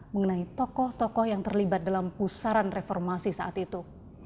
mengenai tokoh tokoh yang terlibat dalam pusaran reformasi saat itu